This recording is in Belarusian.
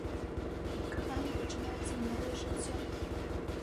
Ад кахання пачынаецца новае жыццё.